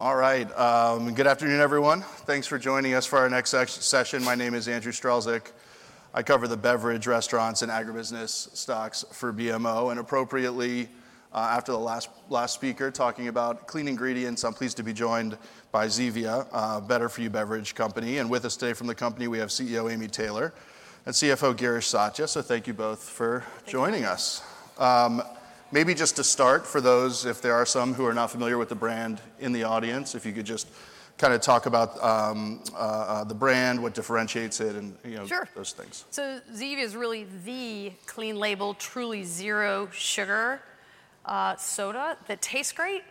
All right. Good afternoon, everyone. Thanks for joining us for our next session. My name is Andrew Strelzik. I cover the beverage restaurants and agribusiness stocks for BMO, and appropriately, after the last speaker talking about clean ingredients, I'm pleased to be joined by Zevia, a better-for-you beverage company, and with us today from the company, we have CEO Amy Taylor and CFO Girish Satya, so thank you both for joining us. Maybe just to start, for those, if there are some who are not familiar with the brand in the audience, if you could just kind of talk about the brand, what differentiates it, and those things. Zevia is really the clean label, truly zero-sugar soda that tastes great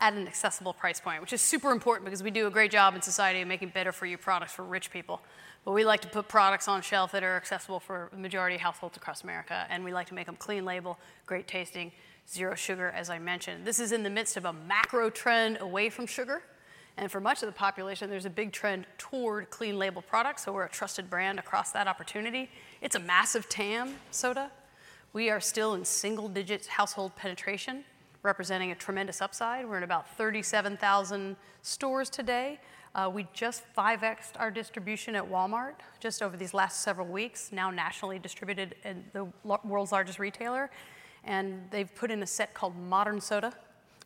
at an accessible price point, which is super important because we do a great job in society of making better-for-you products for rich people. We like to put products on shelf that are accessible for the majority of households across America. We like to make them clean label, great tasting, zero sugar, as I mentioned. This is in the midst of a macro trend away from sugar. For much of the population, there's a big trend toward clean label products. We're a trusted brand across that opportunity. It's a massive TAM soda. We are still in single-digit household penetration, representing a tremendous upside. We're in about 37,000 stores today. We just 5x'd our distribution at Walmart just over these last several weeks, now nationally distributed at the world's largest retailer. They've put in a set called Modern Soda,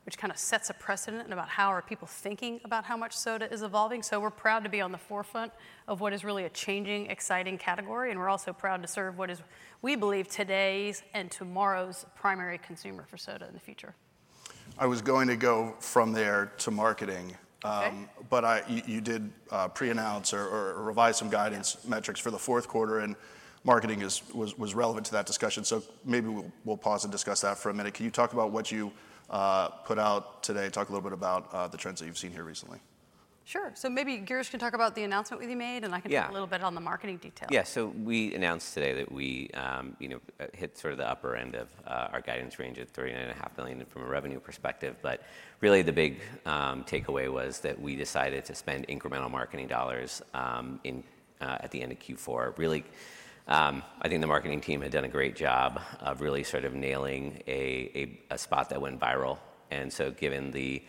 which kind of sets a precedent about how are people thinking about how much soda is evolving. We're proud to be on the forefront of what is really a changing, exciting category. We're also proud to serve what is, we believe, today's and tomorrow's primary consumer for soda in the future. I was going to go from there to marketing. But you did pre-announce or revise some guidance metrics for the fourth quarter. And marketing was relevant to that discussion. So maybe we'll pause and discuss that for a minute. Can you talk about what you put out today? Talk a little bit about the trends that you've seen here recently. Sure, so maybe Girish can talk about the announcement we made, and I can talk a little bit on the marketing details. Yeah. So we announced today that we hit sort of the upper end of our guidance range at $39.5 million from a revenue perspective. But really, the big takeaway was that we decided to spend incremental marketing dollars at the end of Q4. Really, I think the marketing team had done a great job of really sort of nailing a spot that went viral. And so given the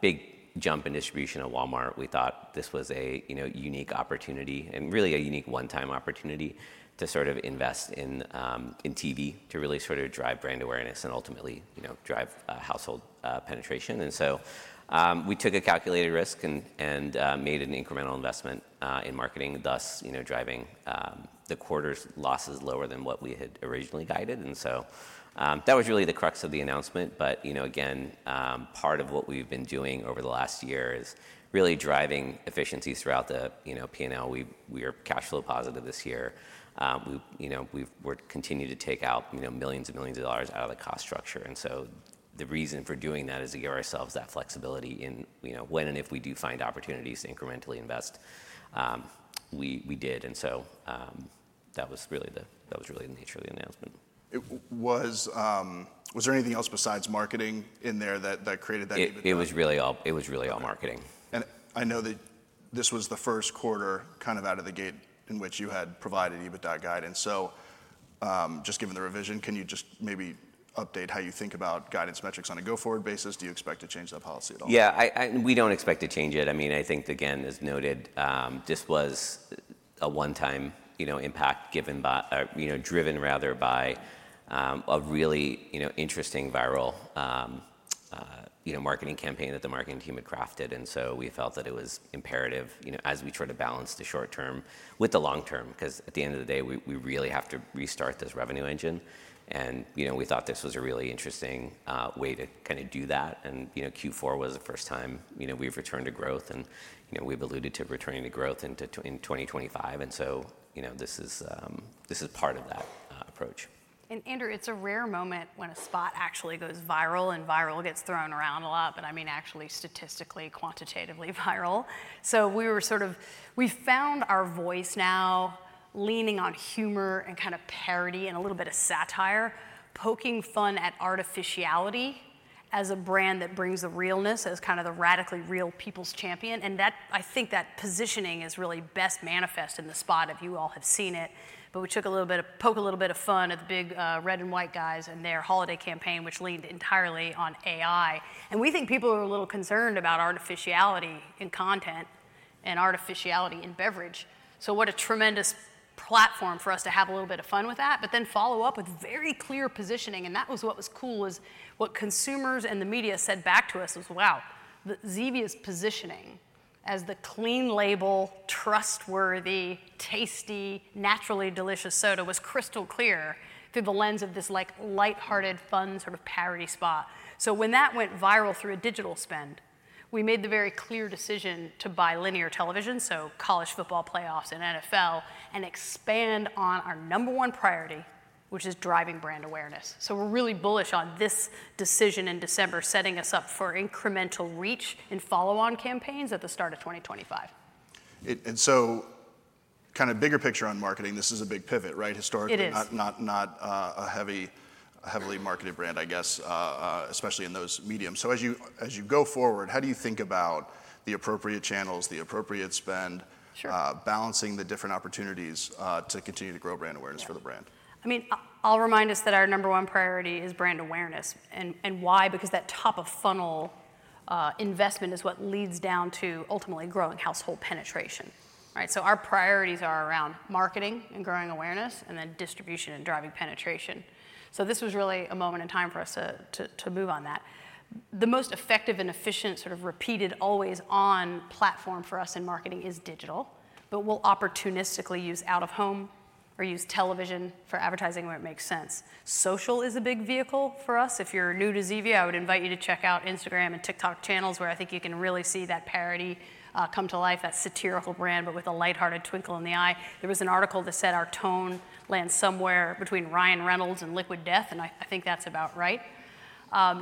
big jump in distribution at Walmart, we thought this was a unique opportunity and really a unique one-time opportunity to sort of invest in TV to really sort of drive brand awareness and ultimately drive household penetration. And so we took a calculated risk and made an incremental investment in marketing, thus driving the quarter's losses lower than what we had originally guided. And so that was really the crux of the announcement. But again, part of what we've been doing over the last year is really driving efficiencies throughout the P&L. We are cash flow positive this year. We've continued to take out millions and millions of dollars out of the cost structure. And so the reason for doing that is to give ourselves that flexibility in when and if we do find opportunities to incrementally invest. We did. And so that was really the nature of the announcement. Was there anything else besides marketing in there that created that? It was really all marketing. I know that this was the first quarter kind of out of the gate in which you had provided EBITDA guidance. Just given the revision, can you just maybe update how you think about guidance metrics on a go-forward basis? Do you expect to change that policy at all? Yeah. We don't expect to change it. I mean, I think, again, as noted, this was a one-time impact given by or driven, rather, by a really interesting viral marketing campaign that the marketing team had crafted. And so we felt that it was imperative as we try to balance the short term with the long term, because at the end of the day, we really have to restart this revenue engine. And we thought this was a really interesting way to kind of do that. And Q4 was the first time we've returned to growth. And we've alluded to returning to growth in 2025. And so this is part of that approach. And Andrew, it's a rare moment when a spot actually goes viral and viral gets thrown around a lot. But I mean, actually, statistically, quantitatively viral. So we found our voice now leaning on humor and kind of parody and a little bit of satire, poking fun at artificiality as a brand that brings the realness as kind of the radically real people's champion. And I think that positioning is really best manifest in the spot if you all have seen it. But we took a little bit of a poke, a little bit of fun at the big red and white guys and their holiday campaign, which leaned entirely on AI. And we think people are a little concerned about artificiality in content and artificiality in beverage. So, what a tremendous platform for us to have a little bit of fun with that, but then follow up with very clear positioning. And that was what was cool is what consumers and the media said back to us was, "wow, Zevia's positioning as the clean label, trustworthy, tasty, naturally delicious soda was crystal clear through the lens of this light-hearted, fun sort of parody spot." So when that went viral through a digital spend, we made the very clear decision to buy linear television, so College Football Playoffs and NFL, and expand on our number one priority, which is driving brand awareness. So we're really bullish on this decision in December, setting us up for incremental reach and follow-on campaigns at the start of 2025. And so kind of bigger picture on marketing, this is a big pivot, right? Historically, not a heavily marketed brand, I guess, especially in those mediums. So as you go forward, how do you think about the appropriate channels, the appropriate spend, balancing the different opportunities to continue to grow brand awareness for the brand? I mean, I'll remind us that our number one priority is brand awareness. And why? Because that top-of-funnel investment is what leads down to ultimately growing household penetration. So our priorities are around marketing and growing awareness and then distribution and driving penetration. So this was really a moment in time for us to move on that. The most effective and efficient sort of repeated always-on platform for us in marketing is digital. But we'll opportunistically use out-of-home or use television for advertising where it makes sense. Social is a big vehicle for us. If you're new to Zevia, I would invite you to check out Instagram and TikTok channels where I think you can really see that parody come to life, that satirical brand, but with a light-hearted twinkle in the eye. There was an article that said our tone lands somewhere between Ryan Reynolds and Liquid Death. And I think that's about right.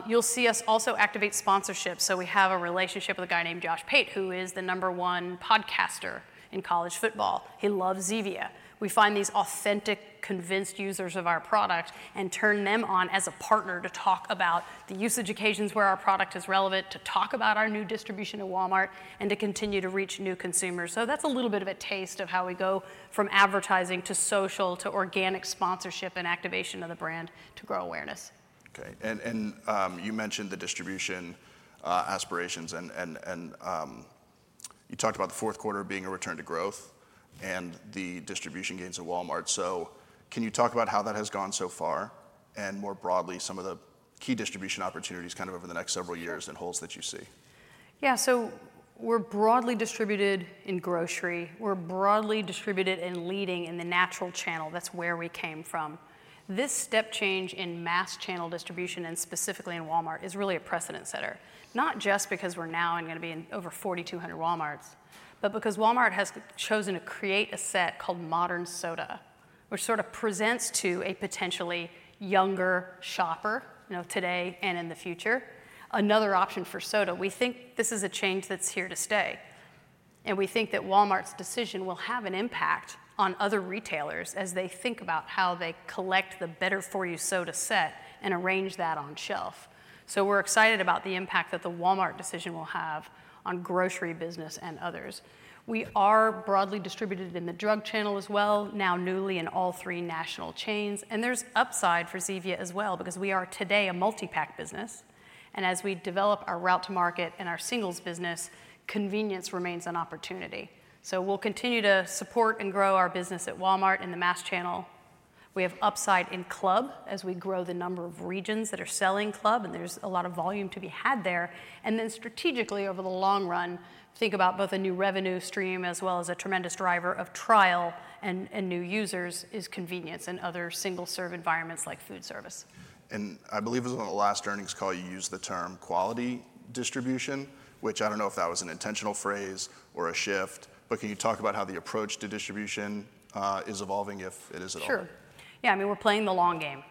You'll see us also activate sponsorships. So we have a relationship with a guy named Josh Pate, who is the number one podcaster in college football. He loves Zevia. We find these authentic, convinced users of our product and turn them on as a partner to talk about the usage occasions where our product is relevant, to talk about our new distribution at Walmart, and to continue to reach new consumers. So that's a little bit of a taste of how we go from advertising to social to organic sponsorship and activation of the brand to grow awareness. OK. And you mentioned the distribution aspirations. And you talked about the fourth quarter being a return to growth and the distribution gains at Walmart. So can you talk about how that has gone so far and more broadly some of the key distribution opportunities kind of over the next several years and holes that you see? Yeah. So we're broadly distributed in grocery. We're broadly distributed and leading in the natural channel. That's where we came from. This step change in mass channel distribution and specifically in Walmart is really a precedent setter, not just because we're now going to be in over 4,200 Walmarts, but because Walmart has chosen to create a set called Modern Soda, which sort of presents to a potentially younger shopper today and in the future another option for soda. We think this is a change that's here to stay. And we think that Walmart's decision will have an impact on other retailers as they think about how they collect the better-for-you soda set and arrange that on shelf. So we're excited about the impact that the Walmart decision will have on grocery business and others. We are broadly distributed in the drug channel as well, now newly in all three national chains. And there's upside for Zevia as well because we are today a multi-pack business. And as we develop our route to market and our singles business, convenience remains an opportunity. So we'll continue to support and grow our business at Walmart in the mass channel. We have upside in club as we grow the number of regions that are selling club. And there's a lot of volume to be had there. And then strategically, over the long run, think about both a new revenue stream as well as a tremendous driver of trial and new users is convenience and other single-serve environments like food service. I believe it was on the last earnings call you used the term quality distribution, which I don't know if that was an intentional phrase or a shift. Can you talk about how the approach to distribution is evolving, if it is at all? Sure. Yeah. I mean, we're playing the long game.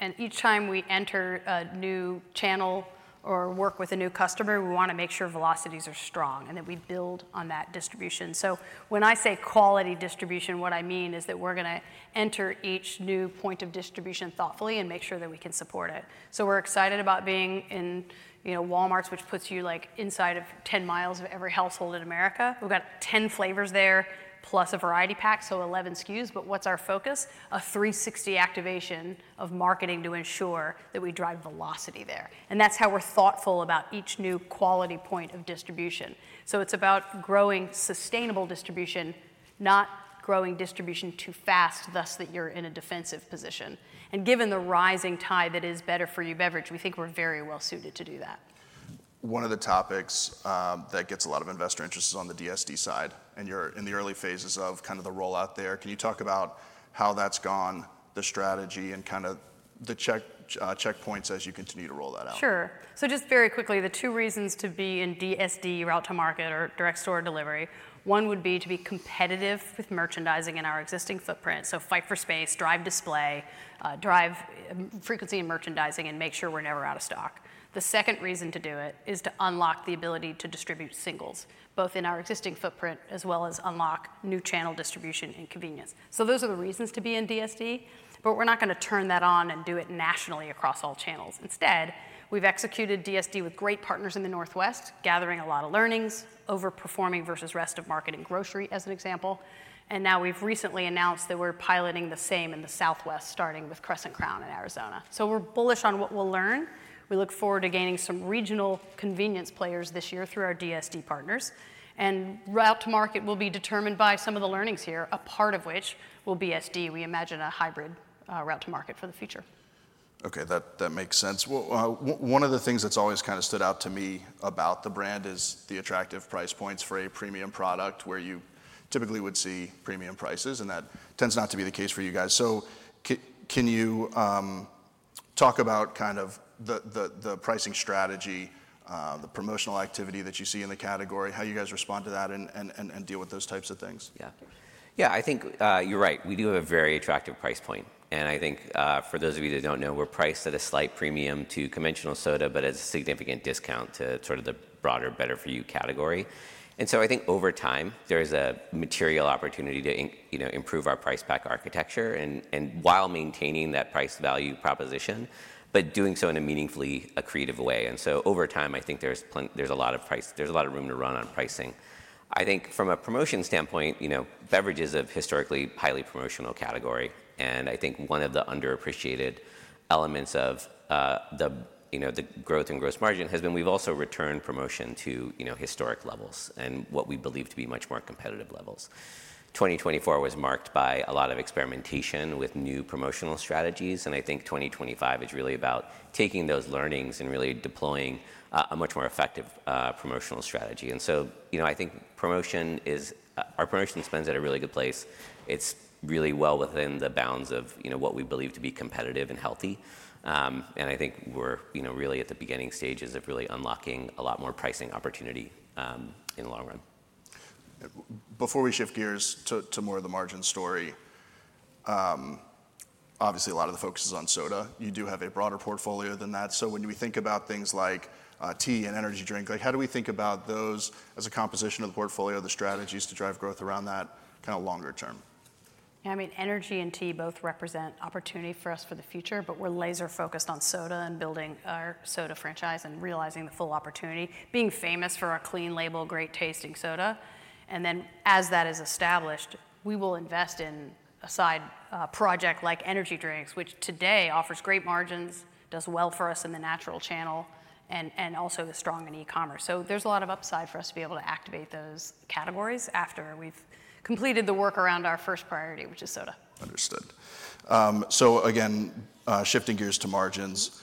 And each time we enter a new channel or work with a new customer, we want to make sure velocities are strong and that we build on that distribution. So when I say quality distribution, what I mean is that we're going to enter each new point of distribution thoughtfully and make sure that we can support it. So we're excited about being in Walmart's, which puts you inside of 10 miles of every household in America. We've got 10 flavors there plus a variety pack, so 11 SKUs. But what's our focus? A 360 activation of marketing to ensure that we drive velocity there. And that's how we're thoughtful about each new quality point of distribution. So it's about growing sustainable distribution, not growing distribution too fast, thus that you're in a defensive position. Given the rising tide that is better-for-you beverage, we think we're very well suited to do that. One of the topics that gets a lot of investor interest is on the DSD side, and you're in the early phases of kind of the rollout there. Can you talk about how that's gone, the strategy, and kind of the checkpoints as you continue to roll that out? Sure. So just very quickly, the two reasons to be in DSD, route to market, or direct store delivery, one would be to be competitive with merchandising in our existing footprint. So fight for space, drive display, drive frequency in merchandising, and make sure we're never out of stock. The second reason to do it is to unlock the ability to distribute singles both in our existing footprint as well as unlock new channel distribution and convenience. So those are the reasons to be in DSD. But we're not going to turn that on and do it nationally across all channels. Instead, we've executed DSD with great partners in the Northwest, gathering a lot of learnings, overperforming versus rest of market in grocery as an example. And now we've recently announced that we're piloting the same in the Southwest, starting with Crescent Crown in Arizona. We're bullish on what we'll learn. We look forward to gaining some regional convenience players this year through our DSD partners. And route to market will be determined by some of the learnings here, a part of which will be DSD. We imagine a hybrid route to market for the future. OK. That makes sense. One of the things that's always kind of stood out to me about the brand is the attractive price points for a premium product where you typically would see premium prices. And that tends not to be the case for you guys. So can you talk about kind of the pricing strategy, the promotional activity that you see in the category, how you guys respond to that and deal with those types of things? Yeah. Yeah, I think you're right. We do have a very attractive price point. And I think for those of you that don't know, we're priced at a slight premium to conventional soda, but at a significant discount to sort of the broader better-for-you category. And so I think over time, there is a material opportunity to improve our price pack architecture while maintaining that price value proposition, but doing so in a meaningfully creative way. And so over time, I think there's a lot of room to run on pricing. I think from a promotion standpoint, beverages have historically highly promotional category. And I think one of the underappreciated elements of the growth and gross margin has been we've also returned promotion to historic levels and what we believe to be much more competitive levels. 2024 was marked by a lot of experimentation with new promotional strategies. And I think 2025 is really about taking those learnings and really deploying a much more effective promotional strategy. And so I think our promotion spend's at a really good place. It's really well within the bounds of what we believe to be competitive and healthy. And I think we're really at the beginning stages of really unlocking a lot more pricing opportunity in the long run. Before we shift gears to more of the margin story, obviously, a lot of the focus is on soda. You do have a broader portfolio than that. So when we think about things like tea and energy drink, how do we think about those as a composition of the portfolio, the strategies to drive growth around that kind of longer term? Yeah. I mean, energy and tea both represent opportunity for us for the future. But we're laser-focused on soda and building our soda franchise and realizing the full opportunity, being famous for our clean label, great tasting soda. And then as that is established, we will invest in a side project like energy drinks, which today offers great margins, does well for us in the natural channel, and also is strong in e-commerce. So there's a lot of upside for us to be able to activate those categories after we've completed the work around our first priority, which is soda. Understood. So again, shifting gears to margins,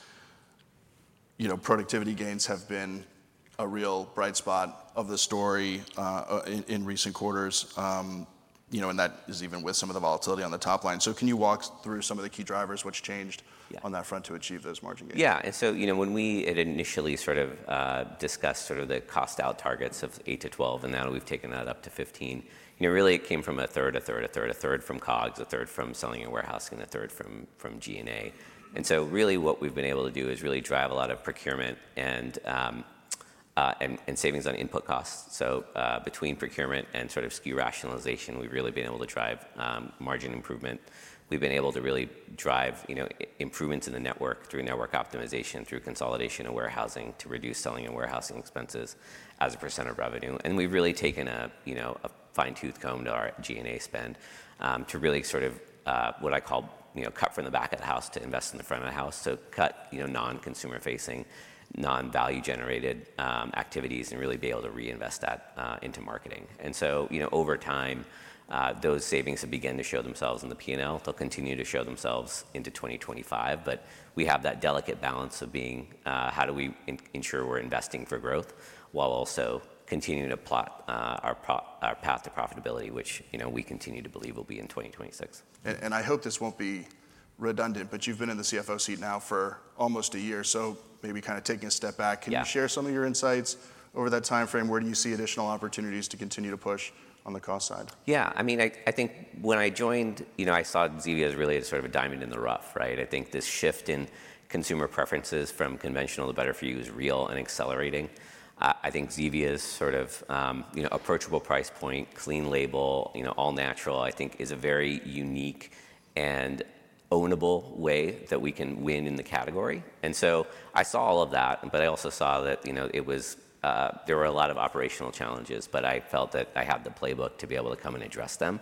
productivity gains have been a real bright spot of the story in recent quarters. That is even with some of the volatility on the top line. So can you walk through some of the key drivers, what's changed on that front to achieve those margin gains? Yeah, and so when we had initially sort of discussed sort of the cost-out targets of 8-12, and now we've taken that up to 15, really it came from a third from COGS, a third from selling and warehousing, and a third from G&A. And so really what we've been able to do is really drive a lot of procurement and savings on input costs. So between procurement and sort of SKU rationalization, we've really been able to drive margin improvement. We've been able to really drive improvements in the network through network optimization, through consolidation of warehousing to reduce selling and warehousing expenses as a percent of revenue. And we've really taken a fine-tooth comb to our SG&A spend to really sort of what I call cut from the back of the house to invest in the front of the house to cut non-consumer-facing, non-value-generated activities and really be able to reinvest that into marketing. And so over time, those savings have begun to show themselves in the P&L. They'll continue to show themselves into 2025. But we have that delicate balance of how do we ensure we're investing for growth while also continuing to plot our path to profitability, which we continue to believe will be in 2026. I hope this won't be redundant. You've been in the CFO seat now for almost a year. Maybe kind of taking a step back, can you share some of your insights over that time frame? Where do you see additional opportunities to continue to push on the cost side? Yeah. I mean, I think when I joined, I saw Zevia as really sort of a diamond in the rough. I think this shift in consumer preferences from conventional to better-for-you is real and accelerating. I think Zevia's sort of approachable price point, clean label, all natural, I think is a very unique and ownable way that we can win in the category. And so I saw all of that. But I also saw that there were a lot of operational challenges. But I felt that I had the playbook to be able to come and address them.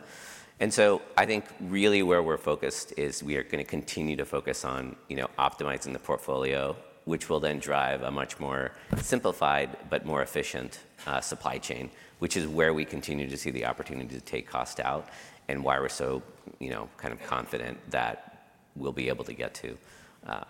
And so, I think really where we're focused is we are going to continue to focus on optimizing the portfolio, which will then drive a much more simplified but more efficient supply chain, which is where we continue to see the opportunity to take cost out and why we're so kind of confident that we'll be able to get to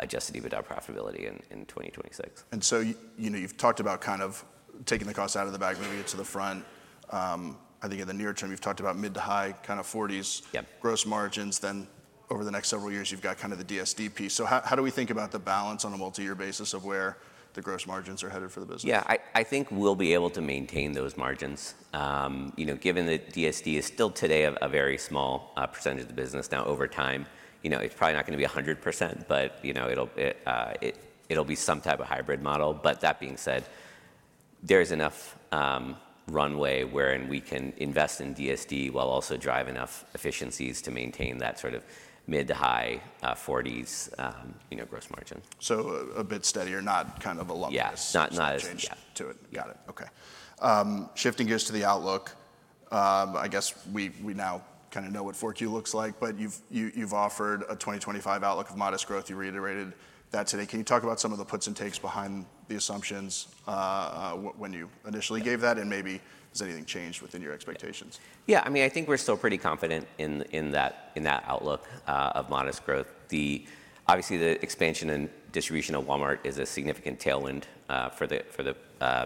just a deeper profitability in 2026. And so you've talked about kind of taking the cost out of the bag, moving it to the front. I think in the near term, you've talked about mid- to high-40s% gross margins. Then over the next several years, you've got kind of the DSD piece. So how do we think about the balance on a multi-year basis of where the gross margins are headed for the business? Yeah. I think we'll be able to maintain those margins given that DSD is still today a very small percentage of the business. Now over time, it's probably not going to be 100%. But it'll be some type of hybrid model. But that being said, there is enough runway wherein we can invest in DSD while also drive enough efficiencies to maintain that sort of mid- to high-40s gross margin. A bit steadier, not kind of a long-term change to it. Yes. Got it. OK. Shifting gears to the outlook, I guess we now kind of know what 4Q looks like. But you've offered a 2025 outlook of modest growth. You reiterated that today. Can you talk about some of the puts and takes behind the assumptions when you initially gave that? And maybe has anything changed within your expectations? Yeah. I mean, I think we're still pretty confident in that outlook of modest growth. Obviously, the expansion and distribution of Walmart is a significant tailwind for the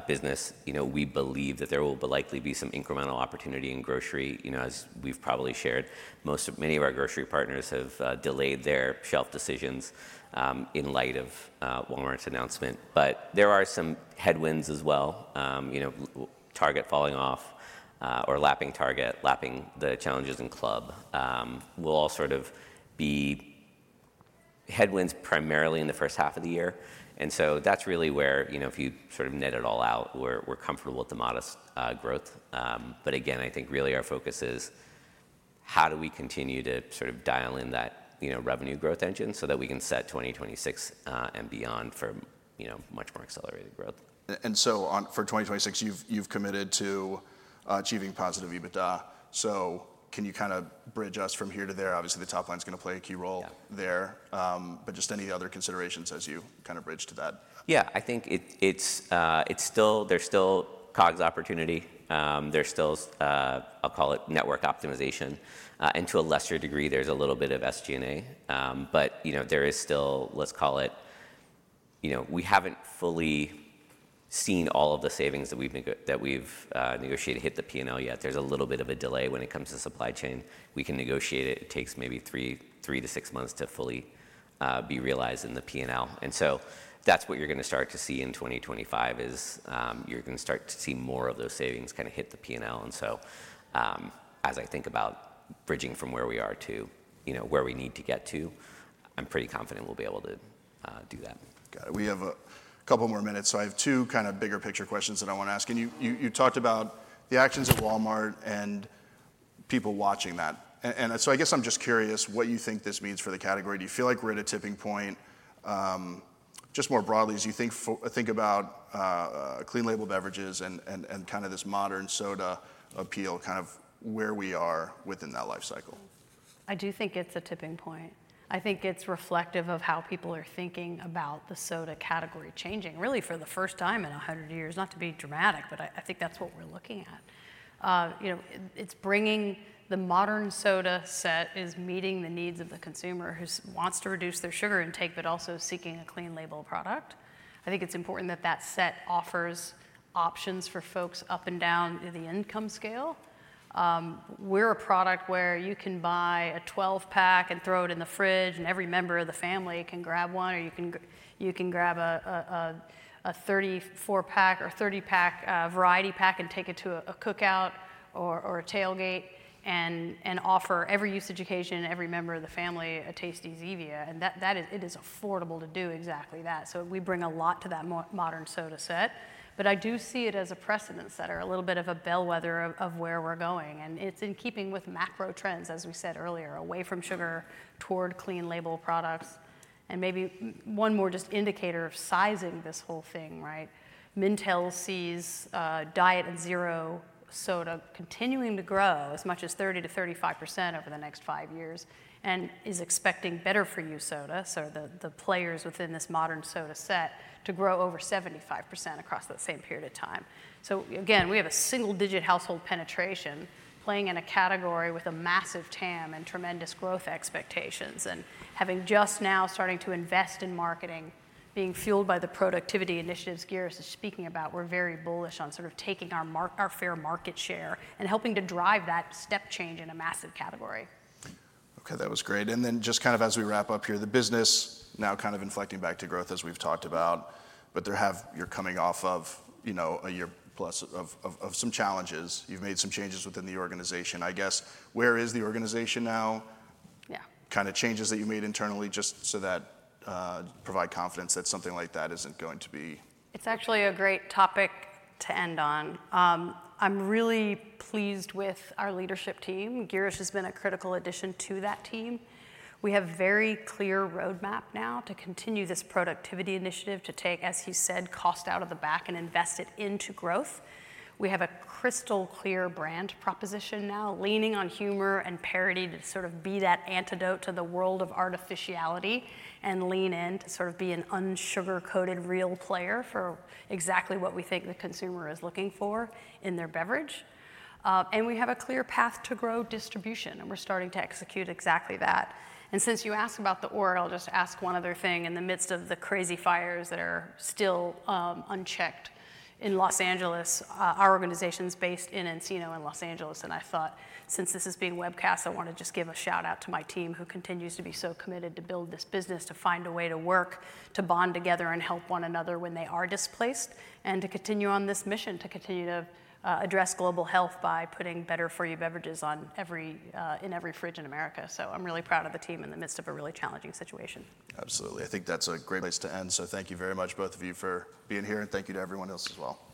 business. We believe that there will likely be some incremental opportunity in grocery, as we've probably shared. Many of our grocery partners have delayed their shelf decisions in light of Walmart's announcement, but there are some headwinds as well, Target falling off or lapping Target, lapping the challenges in club. We'll all sort of be headwinds primarily in the first half of the year, and so that's really where if you sort of net it all out, we're comfortable with the modest growth. But again, I think really our focus is how do we continue to sort of dial in that revenue growth engine so that we can set 2026 and beyond for much more accelerated growth. For 2026, you've committed to achieving positive EBITDA. So can you kind of bridge us from here to there? Obviously, the top line's going to play a key role there. Any other considerations as you kind of bridge to that? Yeah. I think there's still COGS opportunity. There's still, I'll call it network optimization. And to a lesser degree, there's a little bit of SG&A. But there is still, let's call it, we haven't fully seen all of the savings that we've negotiated hit the P&L yet. There's a little bit of a delay when it comes to supply chain. We can negotiate it. It takes maybe three to six months to fully be realized in the P&L. And so that's what you're going to start to see in 2025 is you're going to start to see more of those savings kind of hit the P&L. And so as I think about bridging from where we are to where we need to get to, I'm pretty confident we'll be able to do that. Got it. We have a couple more minutes, so I have two kind of bigger picture questions that I want to ask, and you talked about the actions at Walmart and people watching that, and so I guess I'm just curious what you think this means for the category. Do you feel like we're at a tipping point? Just more broadly, as you think about clean label beverages and kind of this modern soda appeal, kind of where we are within that life cycle? I do think it's a tipping point. I think it's reflective of how people are thinking about the soda category changing really for the first time in 100 years. Not to be dramatic, but I think that's what we're looking at. It's bringing the Modern Soda set is meeting the needs of the consumer who wants to reduce their sugar intake but also seeking a clean label product. I think it's important that that set offers options for folks up and down the income scale. We're a product where you can buy a 12-pack and throw it in the fridge, and every member of the family can grab one, or you can grab a 34-pack or 30-pack variety pack and take it to a cookout or a tailgate and offer every usage occasion and every member of the family a tasty Zevia, and it is affordable to do exactly that. We bring a lot to that Modern Soda set, but I do see it as a precedent setter, a little bit of a bellwether of where we're going, and it's in keeping with macro trends, as we said earlier, away from sugar toward clean label products, and maybe one more just indicator of sizing this whole thing, right? Mintel sees diet and zero soda continuing to grow as much as 30%-35% over the next five years and is expecting better-for-you soda, so the players within this Modern Soda set to grow over 75% across that same period of time, so again, we have a single-digit household penetration playing in a category with a massive TAM and tremendous growth expectations. Having just now starting to invest in marketing, being fueled by the productivity initiatives Girish is speaking about, we're very bullish on sort of taking our fair market share and helping to drive that step change in a massive category. OK. That was great. And then just kind of as we wrap up here, the business now kind of inflecting back to growth as we've talked about. But you're coming off of a year plus of some challenges. You've made some changes within the organization. I guess where is the organization now? Yeah. Kind of changes that you made internally just so that provide confidence that something like that isn't going to be. It's actually a great topic to end on. I'm really pleased with our leadership team. Girish has been a critical addition to that team. We have a very clear roadmap now to continue this productivity initiative to take, as you said, cost out of the back and invest it into growth. We have a crystal clear brand proposition now leaning on humor and parody to sort of be that antidote to the world of artificiality and lean in to sort of be an unsugar-coated real player for exactly what we think the consumer is looking for in their beverage. And we have a clear path to grow distribution. And we're starting to execute exactly that. And since you asked about the org, I'll just ask one other thing. In the midst of the crazy fires that are still unchecked in Los Angeles, our organization's based in Encino in Los Angeles. I thought since this is being webcast, I want to just give a shout-out to my team who continues to be so committed to build this business, to find a way to work, to bond together and help one another when they are displaced, and to continue on this mission to continue to address global health by putting better-for-you beverages in every fridge in America. I'm really proud of the team in the midst of a really challenging situation. Absolutely. I think that's a great place to end. So thank you very much, both of you, for being here. And thank you to everyone else as well.